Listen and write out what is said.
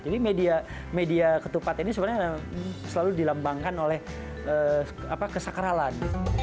jadi media media ketupat ini sebenarnya selalu dilambangkan oleh kesakaralan